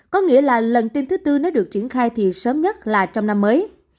có nghĩa là lần tiêm thứ tư nếu được triển khai thì sớm nhất là trong năm mới